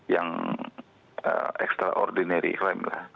yang extraordinary klaim lah